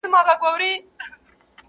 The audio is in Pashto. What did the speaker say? خُم ته یو راغلي په دمدار اعتبار مه کوه،